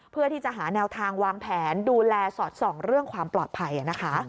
เพื่อที่จะหาแนวทางวางแผนดูแลสอดส่องเรื่องความปลอดภัยนะคะ